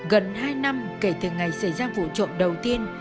gần hai năm kể từ ngày xảy ra vụ trộm đầu tiên